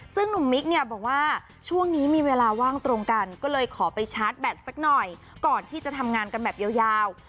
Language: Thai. ซึ่งหนุ่มมิกเนี่ยบอกว่าช่วงนี้มีเวลาว่างตรงกันก็เลยขอไปชาร์จแบตสักหน่อยก่อนที่จะทำงานกันแบบยาว